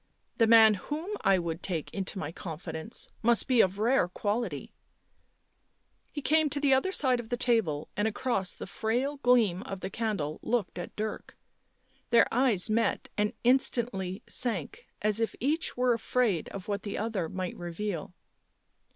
" The man whom I would take into my confidence must be of rare quality " He came to the other side of the table and across the frail gleam of the candle looked at Dirk. Their eyes met and instantly sank, as if each were afraid of what the other might reveal.